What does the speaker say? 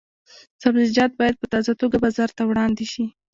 سبزیجات باید په تازه توګه بازار ته وړاندې شي.